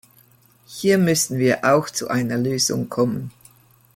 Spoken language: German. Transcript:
Hier müssen wir auch zu einer Lösung kommen.